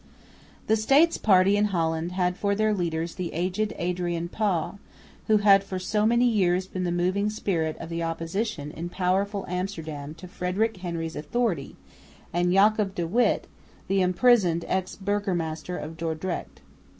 The "States party" in Holland had for their leaders the aged Adrian Pauw, who had for so many years been the moving spirit of the opposition in powerful Amsterdam to Frederick Henry's authority, and Jacob de Witt, the imprisoned ex burgomaster of Dordrecht.